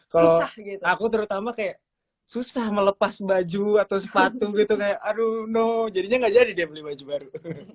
kalau aku terutama kayak susah melepas baju atau sepatu gitu kayak aduh no jadinya ngajar udah beli baju baru